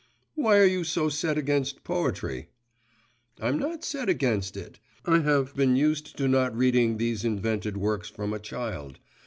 'Why are you so set against poetry?' 'I'm not set against it; I have been used to not reading these invented works from a child.